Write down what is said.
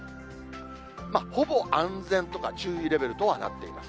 ほぼ安全とか注意レベルとはなっています。